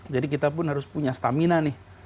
jadi kita pun harus punya stamina nih